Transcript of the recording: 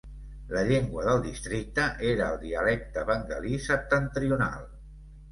La llengua del districte era el dialecte bengalí septentrional.